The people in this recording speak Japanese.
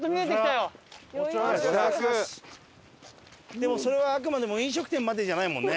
でもそれはあくまでも飲食店までじゃないもんね。